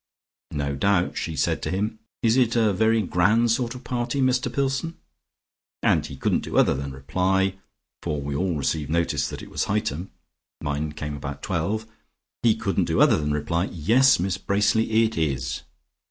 No doubt she said to him, 'Is it a very grand sort of party, Mr Pillson?' and he couldn't do other than reply, for we all received notice that it was Hightum mine came about twelve he couldn't do other than reply, 'Yes, Miss Bracely, it is.'